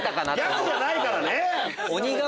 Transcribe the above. ギャグじゃないからね。